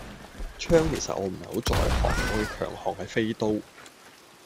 槍其實我唔係好在行，我嘅強項係飛刀